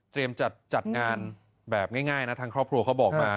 จัดงานแบบง่ายนะทางครอบครัวเขาบอกมา